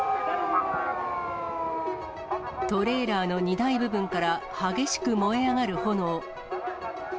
トレーラーの荷台部分から激しく燃え上がる炎。